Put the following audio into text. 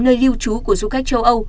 nơi lưu trú của du khách châu âu